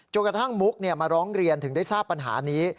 กระทั่งมุกมาร้องเรียนถึงได้ทราบปัญหานี้